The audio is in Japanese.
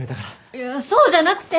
いやそうじゃなくて。